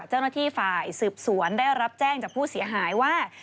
เจ้าหน้าที่ฝ่ายสืบสวนได้รับแจ้งจากผู้เสียหายว่า